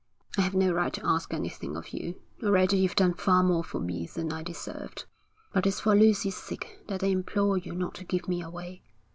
'I have no right to ask anything of you. Already you've done far more for me than I deserved. But it's for Lucy's sake that I implore you not to give me away.'